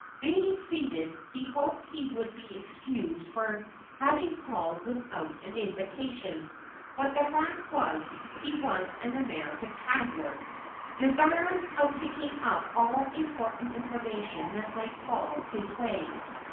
Being seated, he hoped he would be excused for having called without an invitation; but the fact was, he was an American traveller, desirous of picking up all important information that might fall in his way.